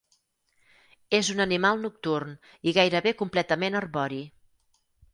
És un animal nocturn i gairebé completament arbori.